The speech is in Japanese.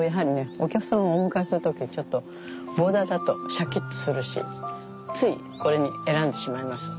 お客様をお迎えする時ボーダーだとシャキッとするしついこれを選んでしまいます。